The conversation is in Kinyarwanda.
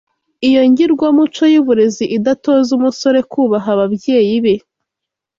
Iyo ngirwamuco y’uburezi idatoza umusore kubaha ababyeyi be